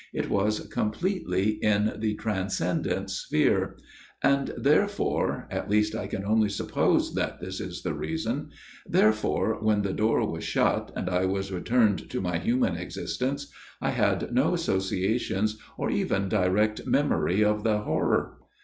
It was completely in the transcendent sphere ; and therefore at least I can only suppose that this is the reason therefore when the door was shut, and I was 102 A MIRROR OF SHALOTT returned to my human existence, I had no associations or even direct memory of the horror.